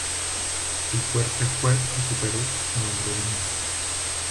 El fuerte fue recuperó su nombre original.